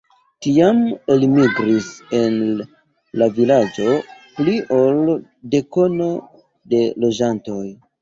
Tiam elmigris el la vilaĝo pli ol dekono de loĝantoj.